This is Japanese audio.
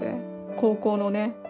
高校のね